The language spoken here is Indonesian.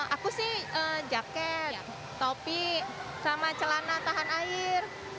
aku sih jaket topi sama celana tahan air